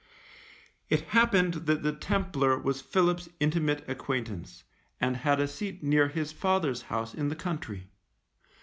It happened that the Templar was Philip's intimate acquaintance, and had a seat near his father's house in the country.